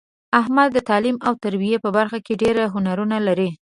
احمد د تعلیم او تربیې په برخه کې ډېر هنرونه لري.